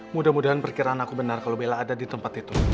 mudah mudahan perkiraan aku benar kalau bella ada di tempat itu